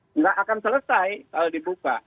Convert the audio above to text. tidak akan selesai kalau dibuka